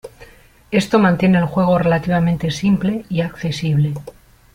Esto mantiene el juego relativamente simple y accesible.